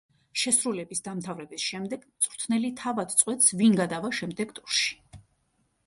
შესრულების დამთავრების შემდეგ მწვრთნელი თავად წყვეტს ვინ გადავა შემდეგ ტურში.